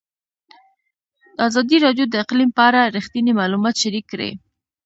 ازادي راډیو د اقلیم په اړه رښتیني معلومات شریک کړي.